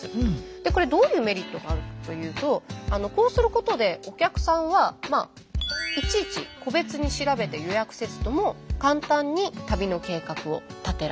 でこれどういうメリットがあるかというとこうすることでお客さんはまあいちいち個別に調べて予約せずとも簡単に旅の計画を立てられますよね。